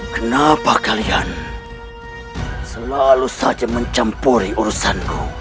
kenapa kalian selalu saja mencampuri urusanku